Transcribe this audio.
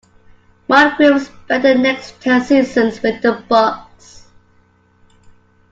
Moncrief spent the next ten seasons with the Bucks.